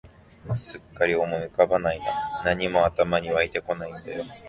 すっかり思い浮かばないな、何も頭に湧いてこないんだよ